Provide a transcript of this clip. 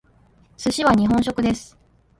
寿司は日本食です。